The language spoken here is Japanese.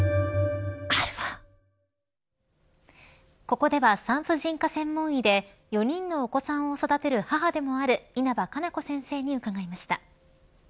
ここでは、産婦人科専門医で４人のお子さんを育てる母でもある稲葉可奈子先生に伺いました。